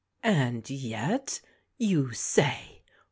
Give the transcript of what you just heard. "And yet, you say